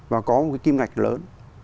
và có một cái kim ngạch lớn